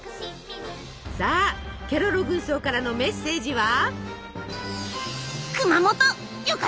さあケロロ軍曹からのメッセージは。